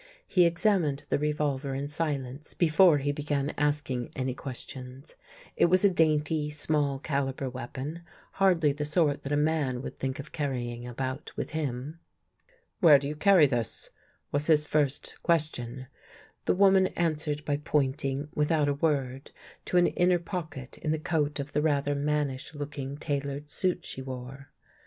He examined the revolver in silence before he began asking any questions. It was a dainty, small caliber weapon, hardly the sort that a man would think of carrying about with him. "Where do you carry this?" was his first ques tion. The woman answered by pointing, without a word, to an inner pocket in the coat of the rather mannish looking tailored suit she wore.